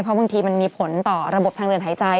เพราะบางทีมันมีผลต่อระบบทางเดินหายใจ